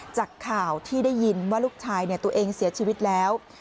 จากข่าวที่ได้ยินว่าลูกชายตัวเองเสียชีวิตแล้ว